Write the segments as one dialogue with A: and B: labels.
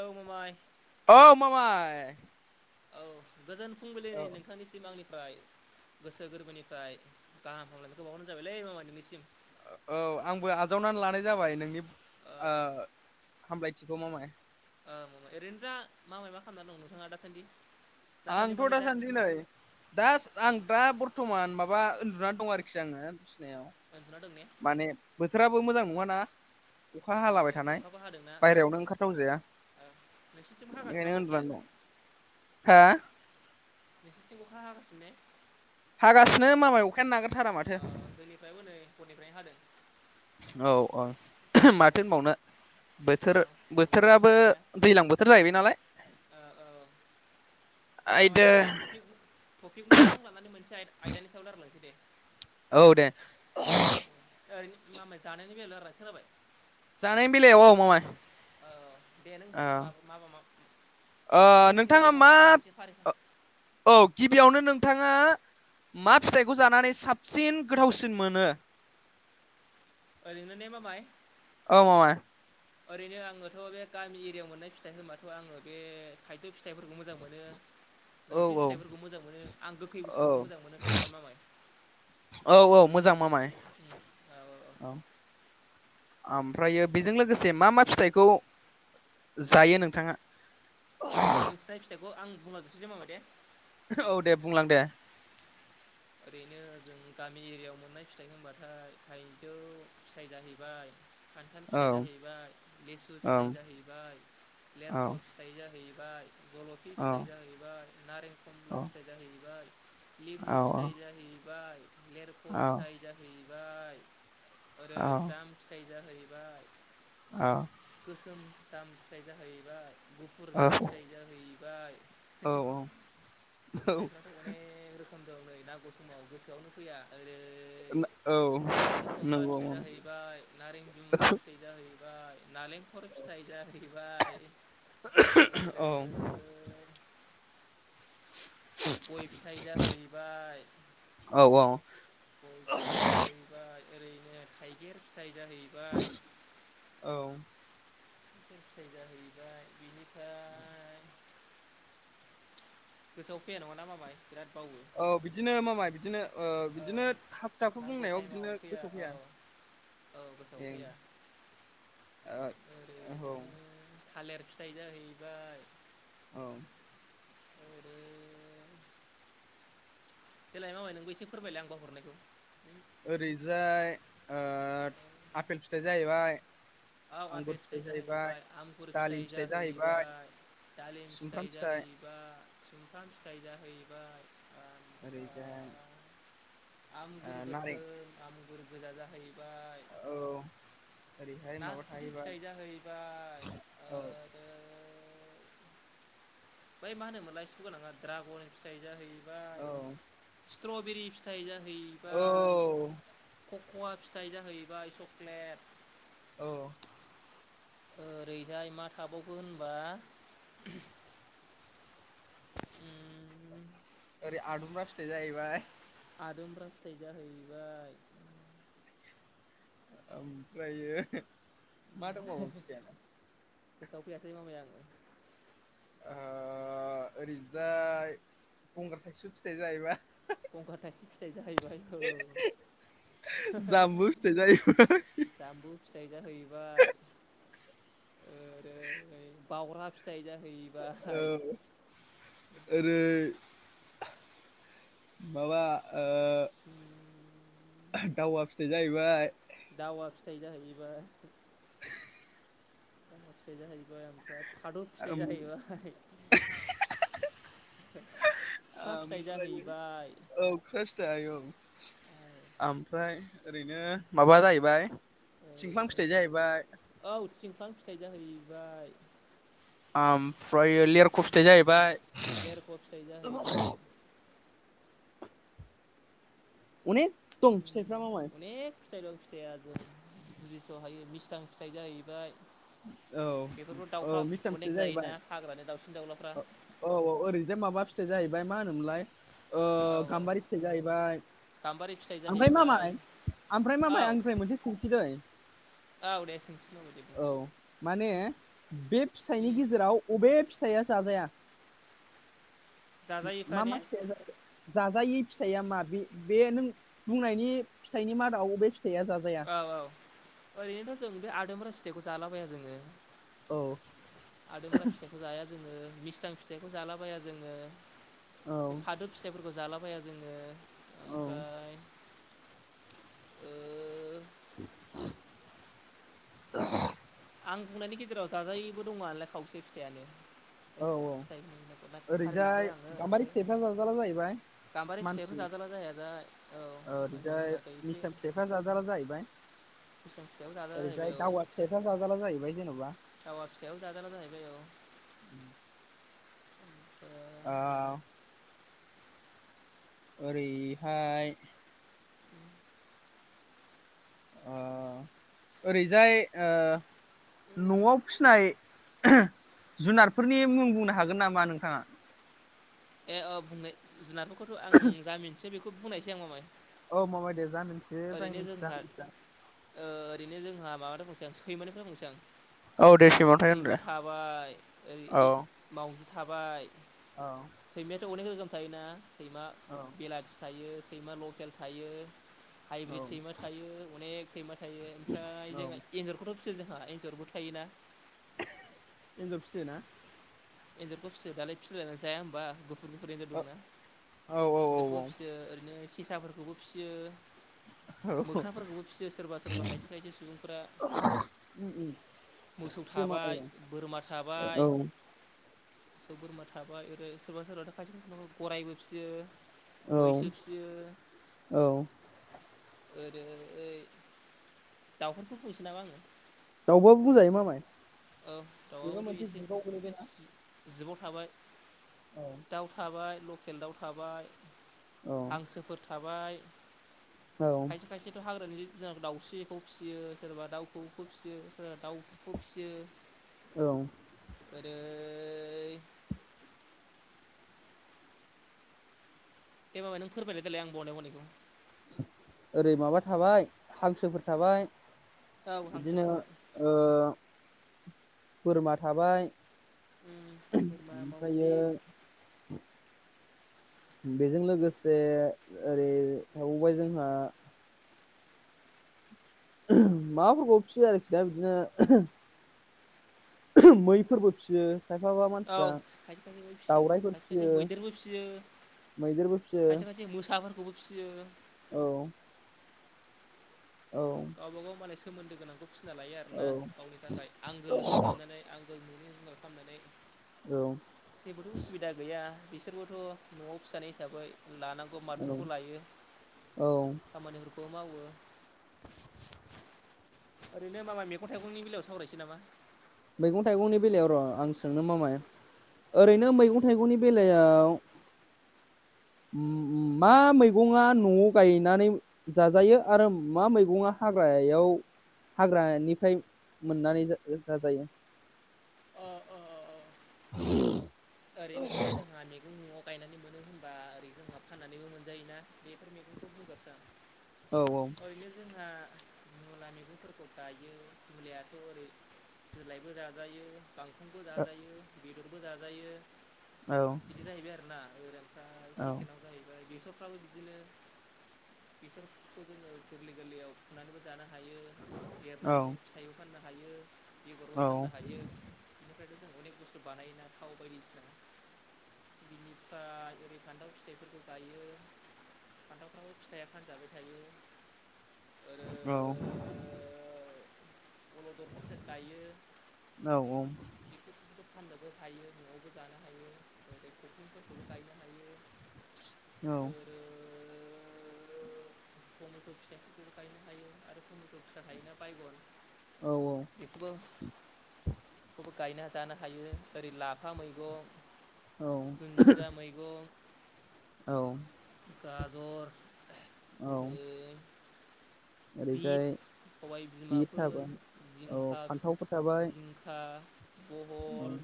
A: औ ममाय
B: औ मामाय
A: औ गोजोन
B: औ
A: फुंबिलिनि नोंथांनिसिम आंनि फ्राय गोसो गोरबोनिफ्राय गाहाम हामलायनायखौ बावहरनाय जाबायलै मामाय नोंनिसिम
B: औ आंबो आजावनानै लानाय जाबाय नोंनि ओ हामलायथिखौ मामाय
A: ओ मामाय ओरैनो दा मामाय मा खामना दं नोंथाङा दासान्दि दासान्दि
B: आं थ'
A: माने
B: दा सान्दि नै दास आं दा बर्थमान माबा उन्दुनानै दं आरोखि आङो बिसिनायाव
A: [inaudible]
B: माने बोथोराबो मोजां नङाना अखा
A: औ
B: हालाबाय थानाय बायरायावनो ओंखारथावजाया
A: ओ नोंसोरथिम हागासिनो
B: बेनिखायनो
A: नामा
B: उन्दुनानै
A: अखाया
B: दं हा
A: बेसोरथिं अखा हागासि
B: हागासिनो मामाय अखायानो नागारथारा माथो
A: ओ जोंनिफ्रायबो नै हरनिफ्रायनो हादों
B: औ ओ माथो होनबावनो
A: औ गावनि बोथोर
B: बोथोर-बोथोराबो
A: जाहैबायना
B: दैलां बोथोर जाहैबाय नालाय
A: ओ औ दे मामाय
B: आयदो
A: इसे टपिक-टपिक मोजां लानानै मोनसे आय-आयदानि सायाव लारालांनोसै दे
B: औ दे
A: ओरैनो मामाय जानायनि बेलायाव [unintelligible]
B: जानायनि बेलायाव ओ मामाय
A: औ दे नों
B: औ
A: मा-माबा मा
B: ओ
A: नों सोंदो
B: नोंथाङा
A: दे
B: मा
A: माबाय आं एसे फारि
B: औ गिबियावनो नों थाङा मा फिथाइखौ जानानै साबसिन गोथावसिन मोनो [inaudible]
A: ओरैनो ने मामाय
B: औ मामाय
A: ओरैनो आङोथ' बे गामि एरियायाव मोननाय फिथाइ होनबाथ' आङो बे थाय फिथाइफोरखौ मोजां मोनो।
B: औ
A: जलफि
B: औ
A: फिथाइफोरखौ मोजां मोनो आं गोखै
B: औ
A: बुस्थुखौ मोजां मोनो खोनाबाय मामाय।
B: औ औ मोजां मामाय
A: उम औ
B: औ ओमफ्रायो बेजों लोगोसे मा मा फिथाइखौ जायो नोंथाङा।
A: औ आं मिथिनाय फिथाइखौ आं बुंला जोबसै दे माबाय दे
B: औ दे बुंलां दे
A: ओरैनो जोंनि गामि एरियाव मोननाय फिथाइ होनबाथाय थायजौ फिथाइ जाहैबाय खान्थाल
B: औ
A: फिथाइ जाहैबाय लेसु
B: औ
A: फिथायाइ जाहैबाय
B: औ
A: लेरख' फिथाइ जाहै जलफि
B: औ
A: फिथाइ जाहैबाय नारें खमला फिथाइ जाहैबाय
B: औ
A: लिबु फिथ फिथाइ जाहैबाय लेरख' फिथाइ जाहैबाय ओरै जाम फिथाइ जाहैबाय
B: औ
A: जाम फिथाय जाहैबाय गुफुर जाम
B: औ
A: फिथायाइ जाहैबाय
B: औ
A: फिथायफोराथ' अनेक रोखोम दं नै नांगौ समाव गोसोआवनो फैया ओरै
B: औ
A: नारें खमबा
B: नंगौ
A: फिथाइ
B: औ
A: जाहैबाय नारें जुमबा फिथाइ जाहैबाय। नालेंखर फिथाइ जाहैबाय ओरै
B: औ
A: गय फिथाइ जाहैबाय
B: औ
A: गयफिथाय जाहैबाय ओरैनो थाइगिर फिथाइ जाहैबाय
B: औ
A: फिथाइ जाहैबाय बिनिफ्राय गोसोआव फैया नङा ना मामाय बिराद बाव
B: औ बिदिनो मा माय बिदिनो ओ
A: औ
B: बिदिनो हाखु दाखु
A: नांगौ
B: बुंनायाव
A: टाइमाव
B: बिदिनो गोसोआव
A: औ
B: फैया
A: औ गोसोआव
B: ए
A: फैया
B: ओ
A: ओरैनो
B: औ
A: थालिर फिथाइ जाहैबाय
B: औ।
A: ओरै देलाय मामाय नोंबो एसे फोरमायलाय आं बावहरनायखौ
B: ओरैजाय ओ आपेल फिथाइ जाहैबाय
A: आव आफेल फिथाइ जाहैबाय आंगुर फिथाइ जाहैबाय दालिम फिथाइ जाहैबाय सुमफ्राम फिथाइ जाहैबाय
B: ओरैजाय
A: आमफ्राय
B: ओ
A: आमगुर
B: नारें
A: गोसोम आमगुर गोजा जा
B: औ। ओरैहाय माबा
A: नासथुटि
B: थाहैबाय
A: फिथाइ जाहैबाय
B: औ
A: ओमफ्राय मा होनोमोनलाय सु गोनाङा ड्रागन फिथाइ जाहै
B: औ
A: बाय स्ट्रबेरि फिथाइ
B: औ
A: जाहैबाय कक'वा फि फिथाइ जाहैबाय चक्लेट
B: औ
A: ओरैजाय मा थाबावखो होनबा उम
B: ओरै आदुमब्रा फिथाय जाहैबाय
A: आदुंग्रा फिथाइ जाहैबाय
B: ओमफ्राययो मा दोंबावो फिथाइयालाय
A: गोसाव फैयाखै मामाय आं
B: ओ ओरैजाय गंगार थाइसुम फिथाइ जाहैबाय
A: गंगार थाइसुम फिथाइ जाहैबाय औ
B: जामबु फिथाइ जाहैबाय
A: जामु फिथाइ जाहैबाय ओ
B: [inaudible]
A: बावग्रा फिथाइ जाहैबाय
B: औ ओरै माबा ओ
A: उम
B: [unintelligible] दावा फिथाइ जाहैबाय
A: दावा फिथाइ जाहैबाय फिथाइ जाहैबाय ओमफ्राय थादौ फिथाइ जाहैबाय [unintelligible] फिथाइ
B: आमफ्राय
A: जाहैबाय
B: औ [unintelligible] औ आमफ्राय ओरैनो माबा जाहैबाय
A: ओरै
B: थिंख्लां फिथाइ जाहैबाय
A: औ औ थिंख्लां फिथाइ जाहैबाय
B: आम
A: सिंखाम फिथाइनि लेरख' फिथाइ जाहैबाय
B: अनेक दं फिथाइफ्रा मामाय
A: फिथाइलं फिथाइआ ज' बुजिस' हायो मिस्थां फिथाइ जाहैबाय
B: औ
A: बेफोरखौ दाउफ्रा
B: औ मिस्थाम फिथाय
A: अनेक
B: जाहैबाय
A: जायोना हाग्रानि दाउसिन दाउलाफ्रा
B: औ औ ओरै बि जे माबा फिथाइ जाहैबाय मा होनोमोनलाय ओ
A: औ
B: गाम्बारि फिथाइ जाहैबाय
A: गाम्बारि फिथाइ
B: ओमफाय
A: जाहैबाय
B: मामाय ओमफ्राय
A: औ
B: माबाय आंनिफ्राय मोनसे सोंथि दै
A: औ दे सोंथि मामाय दे सों
B: औ माने बे फिथाइनि गेजेराव अबे फिथाइया जाजाया उ
A: जाजायैफ्रा
B: मा
A: ने
B: मा फिथाइया जाजा जाजायि फि फिथाइआ मा बे बे नों बुंनायनि फिथाइनि मादाव अबे फि
A: औ औ ओरैनोथ' जों बे आदोम्रा फिथाइखौ जालाबाया जोङो।
B: औ
A: आदोमब्रा फिथाइखौ जाया जोङो मिसथां फिथाइखौ जालाबाया जोङो
B: औ
A: बे फादोब फिथाइफोरखौ जालाबाया जोङो
B: औ
A: ओमफ्राय ओ
B: [inaudible]
A: आं बुंनायनि गेजेराव जाजायिबो दङ आनोलाय खावसे फिथाइयानो
B: औ
A: जायखिया
B: औ
A: फिथाइ होननायखौ फारिलांबाय
B: ओरैजाय
A: आङो
B: गाम्बारि
A: ओमफ्राय
B: फिथाइफ्रा जाजाला जाहैबाय
A: गाम्बारि फिथाइखौ
B: मानसि
A: जाजाला जाया जा औ मानसिनि
B: ओरैजाय
A: थाखाय एसे
B: मिस्थां फिथाइफ्रा जाजाला जाहैबाय
A: बिसां फिथाइयाव जाजाला
B: आरैजाय दावा फिथाइफ्रा जाजाला जायैबाय
A: दावा फिथाइयाव जाजाला जाहैबाय औ
B: [inaudible] ओ ओरैहाय ओ ओरैजाय ओ न'आव फिसिनाय [unintelligible] जुनारफोरनि मुं बुंनो हागोन नामा नोंथाङा
A: ए अ बुंनाय जुनारफोरखौथ' आं जा मिनसै बेखौ बुंनायसै आं मामाय
B: औ मामाय दे जाय मिथियो जायो मोनथिया खिन्था
A: रैनो जोंहा माबानिफ्राय बुंसेै आं सैमानिफ्राय बुंसै आं
B: औ दे सिमावथाय
A: सैमा
B: होनदो
A: थाबाय ओरै इ
B: औ।
A: मावजि थाबाय
B: औ
A: सैमा अनेक रोखोम थायोना सैमा
B: औ
A: बेलाथि थायो सैमा लकेल थायो हाइब्रिद सैमा थायो अनेक सैमा थायो ओमफ्राय
B: औ औ।
A: जोंहा एंन्जरखौथ' सो जोंहा एन्जरबो थायोना
B: एन्जर फिसियो ना
A: एन्जरखौ फियो दालाय फिलायनानै जाया होमबा गु फुट एन्जर
B: औ
A: दंना
B: औ औ औ
A: एन्जरखौबो
B: औ।
A: फिसियो ओरैनो सेसाफोरखौबो फिसियो। मोख्राफोरखौबो फिसियो सोरबा-सोरबा खायसे-खायसे सुबुंफोरा।
B: उम उम
A: मोसौ
B: फिसियो मामाय
A: थाबाय
B: औ।
A: बोरमा
B: औ
A: थाबाय मोसौ बोरमा थाबाय ओरै सोरबा-सोरबाथ' खायसे-खायसे न'-न' गरायबो फिसियो मैसो फिसियो
B: औ-औ
A: ओरै दाउफोरफोरखौ बुं
B: दाउबाबो बुंजायो मामाय।
A: औ
B: बेबो
A: दाउवाबोथ'
B: मोनसे
A: एसे
B: जुगाव गोलैबायना
A: जिबाव थाबाय।
B: औ
A: दाउ थाबाय लकेल दाउ थाबाय
B: औ
A: हांसोफोर थाबाय
B: औ
A: खायसे खायसेथ' हाग्रानि जों दाउस्रिखौ फिसियो सोरबा दाउखौखौ फिसियो सोरबा दाउखौ फिसियो
B: औ
A: ओइ दे माबा नों फोरमायलाय देलाय आं बावनाय बावनायखौ
B: ओरै माबा थाबाय हांसोफोर थाबाय
A: औ हांसो
B: बिदिनो
A: थाबाय
B: ओ बोरमा थाबाय
A: उम बोरमा
B: ओमफ्रायो
A: मावजि
B: बेजों लोगोसे ओरै थाबावबाय जोंहा माबाफोरखौ फियो आरोखि दा बिदिनो मैफोरबो फिसियो खायफाफा
A: औ
B: मानसिफ्रा
A: खायसे खायसेबो फिसियो
B: दावरायाइफोर
A: खायसे खायसे
B: फिसियो
A: मैदेरबो फिसियो
B: मैदेर बो फिसियो
A: खायसे खायसे मोसाफोरखौबो फिसियो
B: औ औ
A: गावबा गाव माने सोमोन्दो गोनांखौ फिसिना लायो
B: औ
A: आरोना गावनि थाखाय आंगो लोगो खालामनानै आं जों खालामनानै
B: औ
A: जेबोथ' उसुबिदा गैया बिसोरबोथ' न'आव फिजानाय हिसाबै लानांगौ
B: औ
A: मार्फोरखौ लायो
B: औ
A: खामानिफोरखौ मावो ओरैनो माबा मैगं थाइगंनि बेलायाव सावरायनोसै नामा
B: मैगं थाइगंनि बेलायाव र' आं सोंनो मा मा
A: औ
B: ओरैनो
A: दे सोंदो।
B: मैगं थाइगंनि बेलायाव ओम ओम मा मैगंआ न'आव गायनानै जाजायो आरो मा मैगङा हाग्रायाव हाग्रानिफ्राय मोननानै जाजायो [unintelligible]
A: आरैनथ' जाहानिखौ मुङ गायनानै मोनो होनबा ओरै जोंहा फाननानैबो मोनजायोना बेफोर मैगंखौ बगारसो
B: औ औ
A: आं ओरैनो जोंहा मुला मैगंफोरखौ गायो मलायथ' ओरै दोलायबो जाजायो गांखंबो जाजायो बेदरबो जाजायो
B: औ
A: बिदि जाहैबाय आरोना दा
B: औ
A: सेकेनाव जाहैबाय बेस फ्राबो बिदिनो बेफोरखौ जोङो गोरलै गोरलैयाव फुनानैबो जानो हा हायो
B: औ
A: देरनानै जों फिथाइबो फाननो हायो
B: औ
A: बेगरबो फाननो हायो फ्राय जों अनेख बुस्थु बानायोना थाव बायदिसि
B: [inaudible]
A: बिनिफ्राय ओरै फान्थाव फिथाइफोरखौ गायो फान्थावफ्राबो फिथाइया फानजाबाय थायो ओरै
B: औ
A: अलददफोरसो गायो
B: औ
A: बेफोरफोरखौफोरखौबो फानजोबबो हायो न'आवबो जानो हायो मैगंफोरखौबो गायनो हायो आरो [inaudible] थफिथा थायोना बायगन
B: औ
A: बेखौबो खौ गायना जानो हायो ओरै लाफा मै
B: औ
A: मैगं
B: औ
A: गाजर [unintelligible] बिट
B: ओरैजाय
A: सबाय
B: बि
A: बिमाफोर
B: थाबाय औ फान्थावफोर
A: जिंखाफि
B: थाबाय
A: जिंखा
B: औ
A: बहल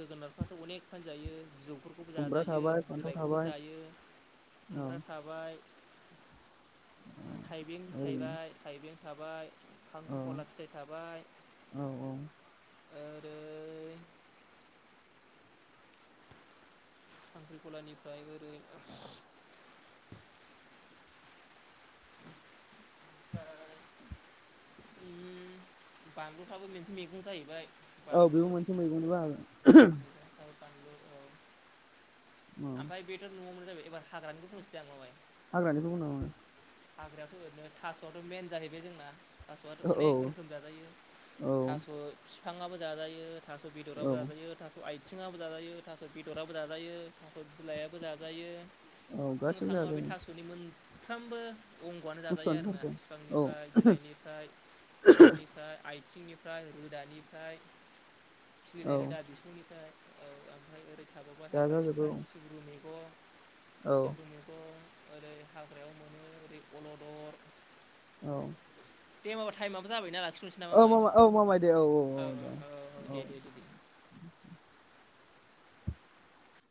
A: जोगोनारफ्राथ' अनेक फानजायो बिजौफोरखौबो
B: खुमब्रा
A: जाजायो
B: थाबाय फान्थाव
A: बिलाइखौबो
B: थाबाय
A: जायो।
B: औ
A: खुमब्रा थाबाय थाइबें
B: ओरैनो
A: थाइबाय थाइबें खाबाय
B: औ
A: खांख्रिख'ला फिथाय थायबाय
B: औ औ
A: खांख्रिख'लानिफ्राय ओरै उम बानलुफ्राबो मोनसे मैगं जाहैबाय
B: औ
A: बानलु
B: बेबो मोनसे मैगंनि बाहागो औ
A: [unintelligible]
B: हाग्रानिखौ उनाव हो
A: हाग्रायाथ' ओरैनो थास'आथ' मेन जाहैबाय जोंना थास'आथ'
B: औ
A: अनेक रोखोम जाजायो
B: औ
A: थास' फिफाङाबो जाजायो थास'
B: औ
A: बिदराबो जाजायो थास' आयथिङाबो जाजायो थास' बिदराबबो जाजायो थास' बिलायाबो जाजायो
B: औ
A: बुंनो
B: गासिबो
A: थाङोबा बे
B: जाजायो
A: थास'नि मोनफ्रामबो अंग'आनो जाजायो
B: बुस्थुआनो
A: आरोना
B: जाजायो औ
A: बिफांनिफ्राय बिलायनिफ्राय बिबारनिफ्राय आइ थिंनिफ्राय रोदानिफ्राय खिलिनाय
B: औ
A: रोदा बिसंनिफ्राय औ ओमफ्राय ओरै थाबावबाय
B: जाजाजोबो
A: हाग्रानिफ्राय सिब्रनि मैग
B: औ
A: सिब्रु मैगं ओरै हाग्रायाव मोनो ओरै अलदर
B: औ
A: दे मामा थाइमाबो जाबायना लाखिथ'नोसै नामा
B: औ
A: माय
B: मामा औ मामाय दे औ औ औ दे औ